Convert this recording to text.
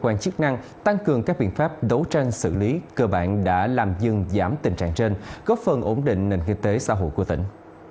nhưng đã làm dừng giảm tình trạng trên góp phần ổn định nền kinh tế xã hội của tỉnh